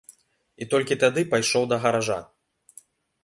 І толькі тады пайшоў да гаража.